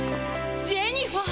ジェニファー。